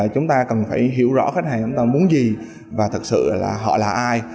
chúng ta cần phải hiểu rõ khách hàng chúng ta muốn gì và thật sự là họ là ai